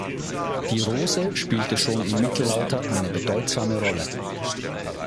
Die Rose spielte schon im Mittelalter eine bedeutsame Rolle.